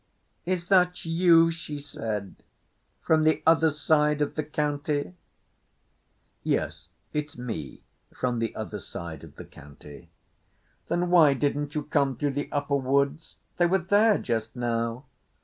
"Is that you?" she said, "from the other side of the county?" "Yes, it's me from the other side of the county." "Then why didn't you come through the upper woods? They were there just now."